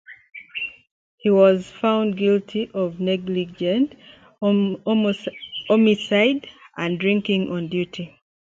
He was found guilty of negligent homicide and drinking on duty.